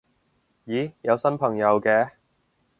咦有新朋友嘅